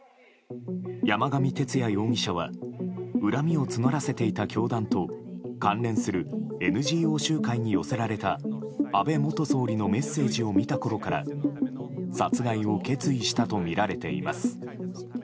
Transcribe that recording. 山上徹也容疑者は恨みを募らせていた教団と関連するＮＧＯ集会に寄せられた安倍元総理のメッセージを見たころから殺害を決意したとみられています。